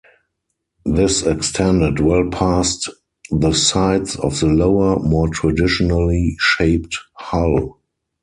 This extended well past the sides of the lower, more traditionally shaped hull.